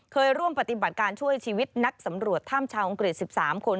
เคยร่วมปฏิบัติการช่วยชีวิตนักสำรวจถ้ำชาวอังกฤษ๑๓คน